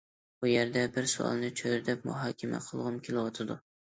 بۇ يەردە بىر سوئالنى چۆرىدەپ مۇھاكىمە قىلغۇم كېلىۋاتىدۇ.